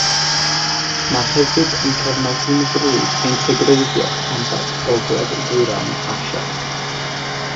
Mae hefyd yn cefnogi'n frwd integreiddio rhanbarth Gogledd-ddwyrain Asia.